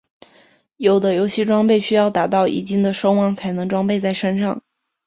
有的游戏装备需要达到一定的声望才能装备在身上。